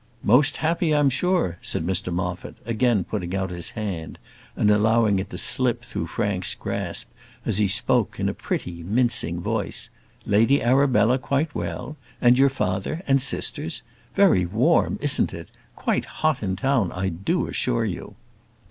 "Most happy, I'm sure," said Mr Moffat, again putting out his hand, and allowing it to slip through Frank's grasp, as he spoke in a pretty, mincing voice: "Lady Arabella quite well? and your father, and sisters? Very warm isn't it? quite hot in town, I do assure you."